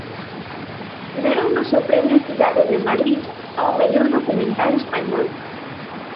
Déronnos o premio Cidade de Madrid ao mellor documental español.